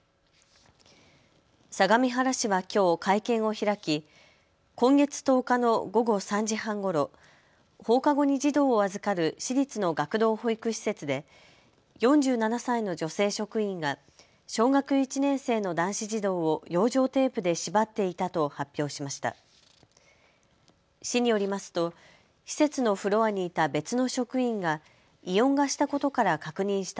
相模原市はきょう会見を開き今月１０日の午後３時半ごろ放課後に児童を預かる市立の学童保育施設で４７歳の女性職員が小学１年生の男子児童を養生テープで縛っていたと発表しました。